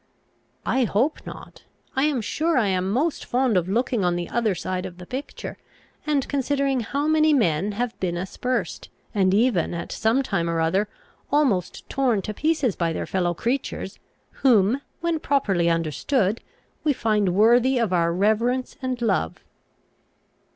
"I hope not. I am sure I am most fond of looking on the other side of the picture, and considering how many men have been aspersed, and even at some time or other almost torn to pieces by their fellow creatures, whom, when properly understood, we find worthy of our reverence and love."